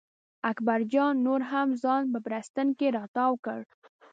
اکبر جان نور هم ځان په بړسټن کې را تاو کړ.